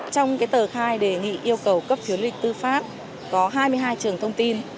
trong tờ khai đề nghị yêu cầu cấp phiếu lý lịch tư pháp có hai mươi hai trường thông tin